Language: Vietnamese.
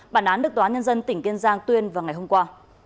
bản án được tòa nhân dân tỉnh kiên giang tuyên vào ngày hôm qua